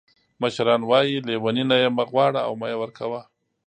مشران وایي لیوني نه یې مه غواړه او مه یې ورکوه.